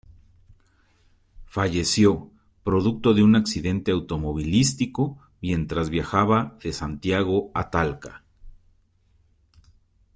Falleció producto de un accidente automovilístico mientras viajaba de Santiago a Talca.